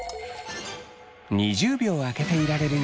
２０秒開けていられるように。